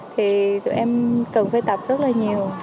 thì tụi em cần phải tập rất là nhiều